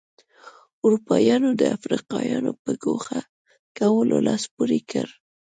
اروپایانو د افریقایانو په ګوښه کولو لاس پورې کړ.